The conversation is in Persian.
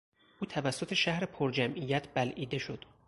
او توسط شهر پرجمعیت بلعیده شد.